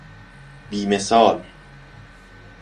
بیمثال